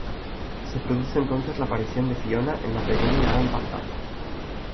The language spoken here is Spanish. Se produce entonces la aparición de Fiona en la pequeña y gran pantalla.